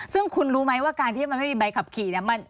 ซึ่งคุณรู้ไหมว่าการที่มันไม่มีใบขับขี่เนี่ย